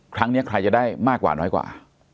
ครั้งนี้ใครจะได้มากกว่าน้อยกว่า